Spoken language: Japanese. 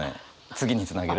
次につなげる。